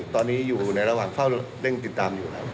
ตอนนี้อยู่ในระหว่างเฝ้าเร่งติดตามอยู่ครับ